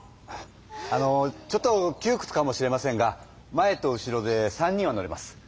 あのちょっときゅうくつかもしれませんが前と後ろで３人は乗れます。